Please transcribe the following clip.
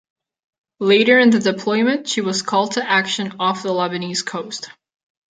Later in the deployment, she was called to action off the Lebanese coast.